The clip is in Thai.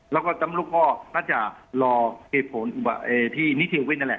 แล้วก็ตำรุกก็น่าจะรอเหตุผลที่นิเทียวิตนั่นแหละ